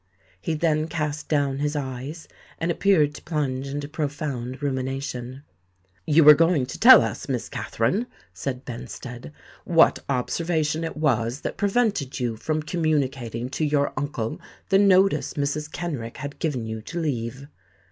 He then cast down his eyes, and appeared to plunge into profound rumination. "You were going to tell us, Miss Katherine," said Benstead, "what observation it was that prevented you from communicating to your uncle the notice Mrs. Kenrick had given you to leave."